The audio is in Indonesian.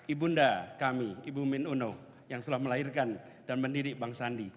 ibu nda kami ibu min uno yang sudah melahirkan dan mendidik bang sandi